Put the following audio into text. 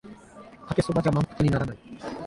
かけそばじゃ満腹にならない